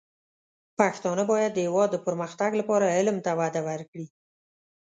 پښتانه بايد د هېواد د پرمختګ لپاره علم ته وده ورکړي.